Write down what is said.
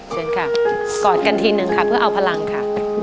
เชิญค่ะกอดกันทีนึงค่ะเพื่อเอาพลังค่ะ